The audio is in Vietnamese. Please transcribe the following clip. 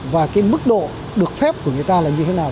và cái mức độ được phép của người ta là như thế nào